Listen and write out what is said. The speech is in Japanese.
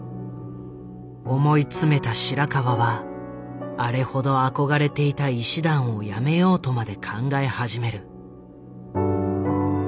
思い詰めた白川はあれほど憧れていた医師団を辞めようとまで考え始める。